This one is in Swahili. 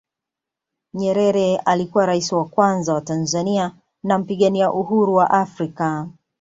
nyerere alikuwa raisi wa kwanza wa tanzania na mpigania Uhuru wa africa